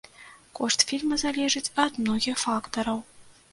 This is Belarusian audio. Кошт фільма залежыць ад многіх фактараў.